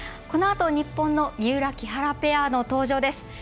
このあと日本の三浦、木原ペア登場です。